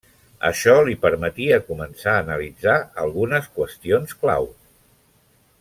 Això li permetia començar a analitzar algunes qüestions clau: